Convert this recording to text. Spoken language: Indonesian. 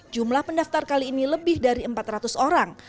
jumlah pendaftar kali ini lebih dari empat ratus orang